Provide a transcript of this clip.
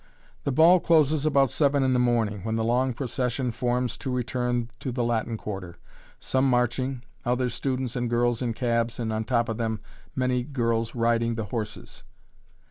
The ball closes about seven in the morning, when the long procession forms to return to the Latin Quarter, some marching, other students and girls in cabs and on top of them, many of the girls riding the horses.